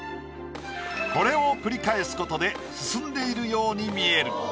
これを繰り返すことで進んでいるように見える。